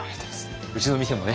うちの店もね